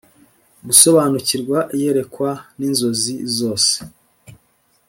gusobanukirwa iyerekwa n inzozi zose